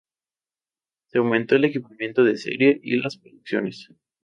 Se aumentó el equipamiento de serie y las opciones.